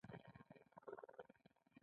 سنوفارما د درملو تولیدي سهامي فابریکه ده